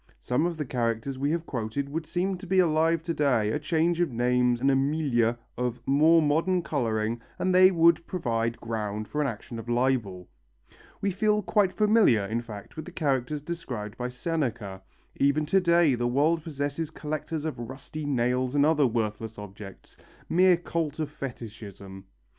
Some of the characters we have quoted would seem to be alive to day, a change of name and a milieu of more modern colouring and they would provide ground for an action for libel. We feel quite familiar, in fact, with the characters described by Seneca. Even to day the world possesses collectors of rusty nails and other worthless objects mere cult of fetishism.